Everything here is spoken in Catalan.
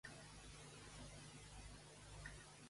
I a quin monarca els va enviar l'endeví després?